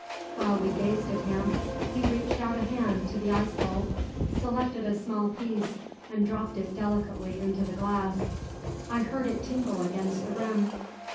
While we gazed at him he reached out a hand to the icebowl, selected a small piece, and dropped it delicately into the glass. I heard it tingle against the rim.